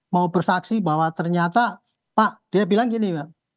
mau bersaksi bahwa ternyata pak dia bilang gini pak